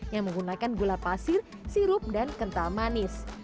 yang menggunakan gula pasir sirup dan kental manis